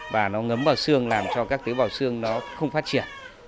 và nó ngấm vào xương làm cho các tế bào xương nó không phát triển